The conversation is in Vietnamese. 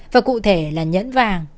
và cụ thể là nhẫn vàng